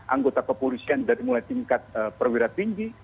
anggota kepolisian dari mulai tingkat perwira tinggi